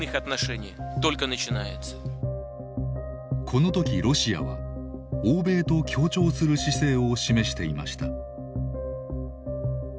この時ロシアは欧米と協調する姿勢を示していました。